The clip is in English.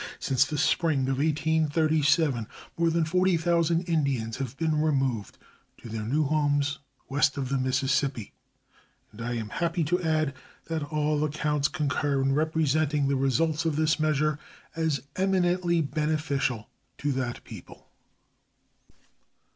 Since the spring of 1837 more than 40,000 Indians have been removed to their new homes west of the Mississippi, and I am happy to add that all accounts concur in representing the result of this measure as eminently beneficial to that people.